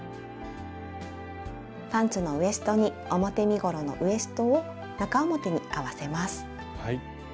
パンツのウエストに表身ごろのウエストを中表に合わせます。